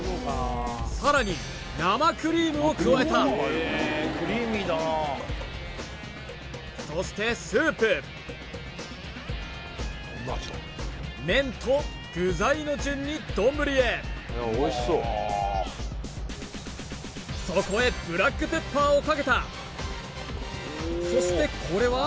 さらに生クリームを加えたそしてスープ麺と具材の順に丼へそこへブラックペッパーをかけたそしてこれは？